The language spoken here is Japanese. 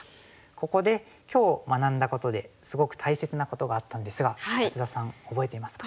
ここで今日学んだことですごく大切なことがあったんですが安田さん覚えていますか？